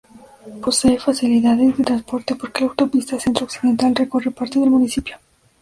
Posee facilidades de transporte porque la autopista centro-occidental recorre parte del municipio.